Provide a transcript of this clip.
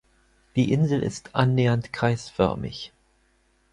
Die Insel ist annähernd kreisförmig.